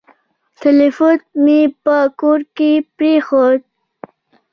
ټلیفون مي په کور کي پرېښود .